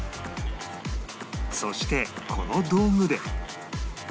そしてこの道具で